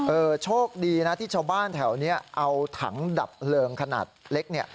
โชคดีนะที่ชาวบ้านแถวนี้เอาถังดับเพลิงขนาดเล็กเนี่ย